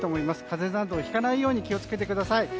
風邪などひかないように気を付けてください。